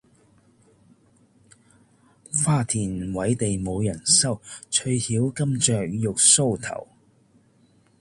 花鈿委地無人收，翠翹金雀玉搔頭。